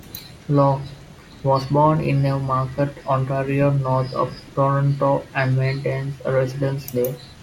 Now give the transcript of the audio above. Locke was born in Newmarket, Ontario, north of Toronto, and maintains a residence there.